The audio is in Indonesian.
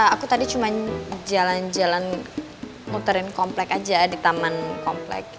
aku tadi cuma jalan jalan muterin komplek aja di taman komplek